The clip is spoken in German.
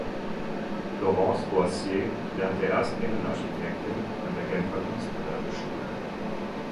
Laurence Boissier lernte erst Innenarchitektin an der Genfer Kunstgewerbeschule.